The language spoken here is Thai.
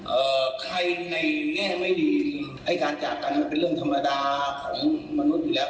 เอ่อใครในแง่ไม่ดีไอ้การจากกันมันเป็นเรื่องธรรมดาของมนุษย์อยู่แล้ว